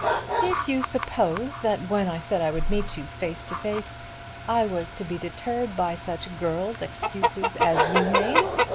Did you suppose that when I said I would meet you face to face I was to be deterred by such girl's excuses as you made?